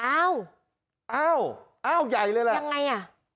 อ้าวอ้าวอ้าวใหญ่เลยแหละยังไงอ่ะ